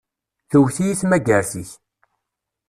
Tewwet-iyi tmagart-ik.